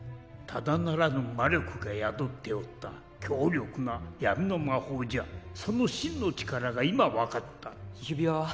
ただならぬ魔力が宿っておった強力な闇の魔法じゃその真の力が今分かった指輪は？